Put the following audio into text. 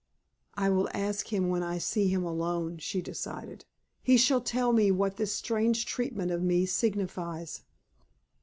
"I will ask him when I see him alone," she decided. "He shall tell me what this strange treatment of me signifies."